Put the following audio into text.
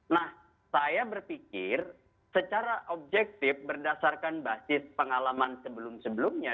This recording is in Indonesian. nah saya berpikir secara objektif berdasarkan basis pengalaman sebelum sebelumnya